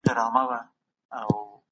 د کفارو سره مشابهت کبيره ګناه ده